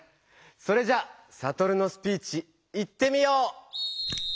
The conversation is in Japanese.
それじゃサトルのスピーチいってみよう！